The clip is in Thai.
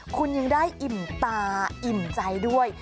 คุณยังได้อิ่มตาอิ่มใจด้วย